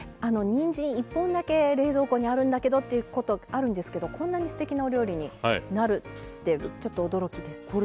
あのにんじん１本だけ冷蔵庫にあるんだけどっていうことあるんですけどこんなにすてきなお料理になるってちょっと驚きです。